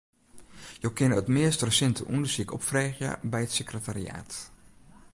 Jo kinne it meast resinte ûndersyk opfreegje by it sekretariaat.